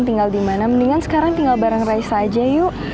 tinggal dimana mendingan sekarang tinggal bareng raisa aja yuk